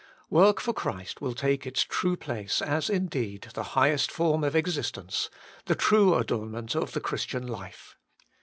Work for Christ will take its true place as indeed the highest form of exist ence, the true adornment of the Christian life.